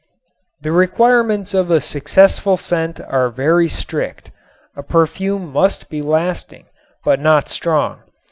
The requirements of a successful scent are very strict. A perfume must be lasting, but not strong.